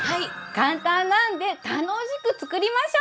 簡単なんで楽しく作りましょう！